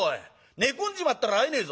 寝込んじまったら会えねえぞ。